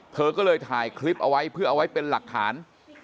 เธอก็เลยถ่ายคลิปเอาไว้เพื่อเอาไว้เป็นหลักฐาน